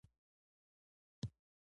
دښتې د سیاسي جغرافیه یوه برخه ده.